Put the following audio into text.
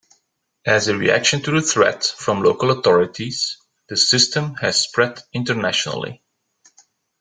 As a reaction to the threat from local authorities, the system has spread internationally.